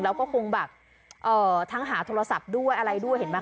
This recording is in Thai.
แล้วก็คงแบบทั้งหาโทรศัพท์ด้วยอะไรด้วยเห็นไหม